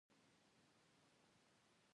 د جومات په انګړ کې ګلونه وکرم؟